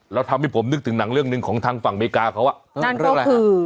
แล้วทำให้ผมนึกถึงหนังเรื่องหนึ่งของทางฝั่งอเมริกาเขาอ่ะนั่นเรื่องอะไรฮะ